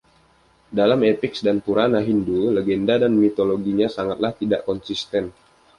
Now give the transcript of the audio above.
Dalam Epics dan Purana Hindu, legenda dan mitologinya sangatlah tidak konsisten.